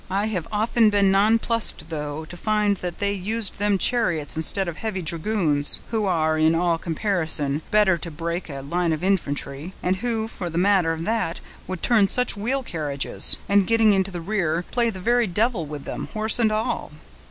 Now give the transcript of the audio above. I have often been nonplused, though, to find that they used them chariots instead of heavy dragoons, who are, in all comparison, better to break a line of infantry, and who, for the matter of that, could turn such wheel carriages, and getting into the rear, play the very devil with them, horse and all."